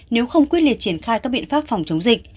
nếu không quyết liệt triển khai các biện pháp phòng chống dịch